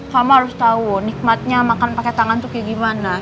kamu harus tahu nikmatnya makan pakai tangan tuh kayak gimana